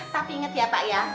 tapi inget ya pak ya